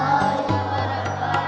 wa alaikum salam